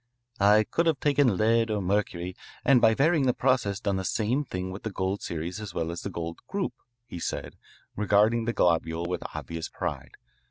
"I could have taken lead or mercury and by varying the process done the same thing with the gold series as well as the gold group," he said, regarding the globule with obvious pride.